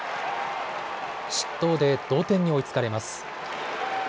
失投で同点に追いつかれます。